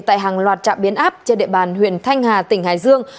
tại hàng loạt trạm biến áp trên địa bàn huyện thanh hà tỉnh hải dương